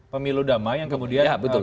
pemilu damai yang kemudian